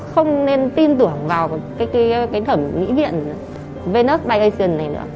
không nên tin tưởng vào cái thẩm nghĩ viện venus biasion này nữa